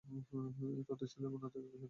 এ তথ্য ইসরাঈলী বর্ণনা থেকে গৃহীত হয়েছে।